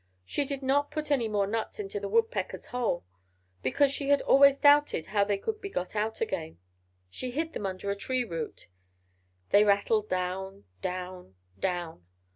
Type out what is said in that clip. She did not put any more nuts into the woodpecker's hole, because she had always doubted how they could be got out again. She hid them under a tree root; they rattled down, down, down.